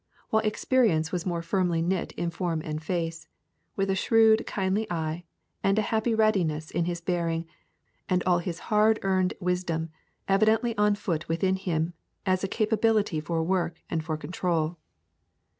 While Experience was more firmly knit in form and face, with a shrewd kindly eye and a happy readiness in his bearing, and all his hard earned wisdom evidently on foot within him as a capability for work and for control.'